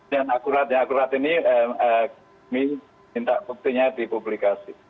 dan akuratnya akurat ini kami minta buktinya di publikasi